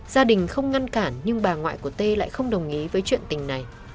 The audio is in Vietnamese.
gia đình không ngăn cản nhưng bà ngoại của tê lại không đồng ý với chuyện tình này